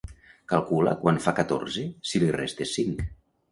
Calcula quant fa catorze si li restes cinc.